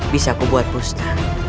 bisa ku buat pusna